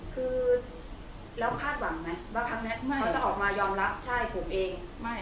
คือแล้วคาดหวังไหมว่าครั้งนี้เขาจะออกมายอมรับใช่ผมเองไม่